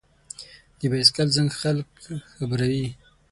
د بایسکل زنګ خلک خبروي.